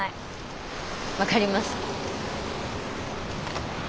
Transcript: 分かります。